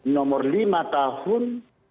nomor lima tahun